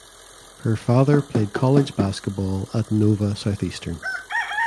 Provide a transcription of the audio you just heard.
Her father played college basketball at Nova Southeastern.